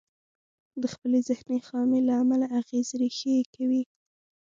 د خپلې ذهني خامي له امله اغېز ريښې کوي.